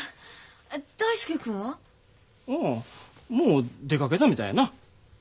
大介君は？ああもう出かけたみたいやな。